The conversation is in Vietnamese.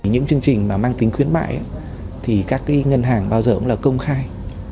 những chương trình mà mang tính khuyến mại thì các ngân hàng bao giờ cũng là công khai